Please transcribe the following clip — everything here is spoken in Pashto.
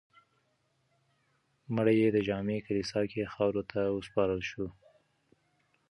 مړی یې د جامع کلیسا کې خاورو ته وسپارل شو.